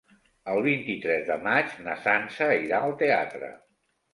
El vint-i-tres de maig na Sança irà al teatre.